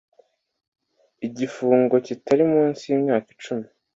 igifungo kitari munsi y imyaka cumi